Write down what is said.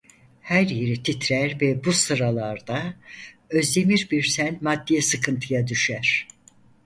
Her yeri titrer ve bu sıralarda Özdemir Birsel maddi sıkıntıya düşer.